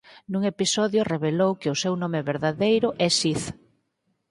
Nun episodio revelou que o seu nome verdadeiro é Sid.